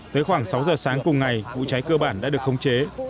tới khoảng sáu giờ sáng cùng ngày vụ cháy cơ bản đã được khống chế